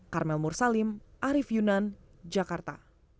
karmel mursalim arief yunan jakarta